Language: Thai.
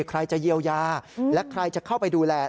ใครจะเยียวยาและใครจะเข้าไปดูแล